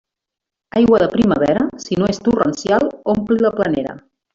Aigua de primavera, si no és torrencial, ompli la panera.